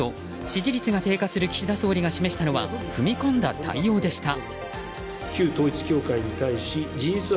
支持率が低下する岸田総理が示したのは踏み込んだ対応でした。